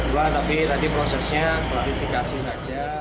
wah tapi tadi prosesnya klarifikasi saja